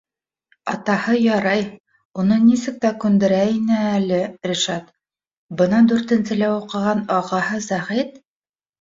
Атаһы ярай, уны нисек тә күндерә ине әле Ришат, бына дүртенселә уҡыған агаһы Сәғит...